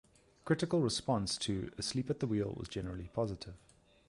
Critical response to "Asleep at the Wheel" was generally positive.